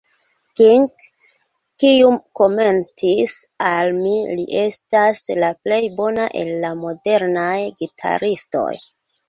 King, kiu komentis, "al mi li estas la plej bona el la modernaj gitaristoj.